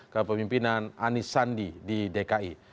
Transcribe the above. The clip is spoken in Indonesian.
kepemimpinan anisandi di dki